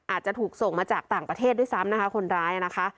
อาจจะถูกส่งมาจากต่างประเทศด้วยซ้ำนะคะคนร้ายนะคะ